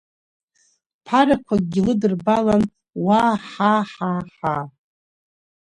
Ԥарақәакгьы лыдырбалан, уаа-ҳа, ҳаа-ҳаа!